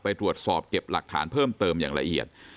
ไปตรวจสอบเก็บหลักฐานเพิ่มเติมอย่างละเอียด